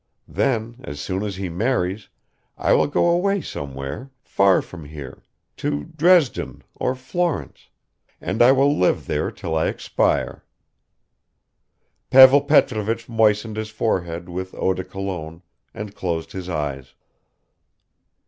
Then as soon as he marries I will go away somewhere, far from here, to Dresden or Florence, and I will live there till I expire." Pavel Petrovich moistened his forehead with eau de Cologne and closed his eyes.